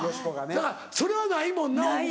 だからそれはないもんな大久保。